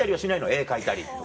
絵描いたりとか。